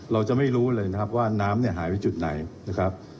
เราจะไม่รู้เลยนะครับว่าน้ำเนี่ยหายไปจุดไหนนะครับ